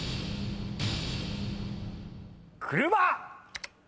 車！